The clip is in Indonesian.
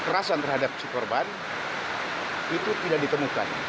kekerasan terhadap si korban itu tidak ditemukan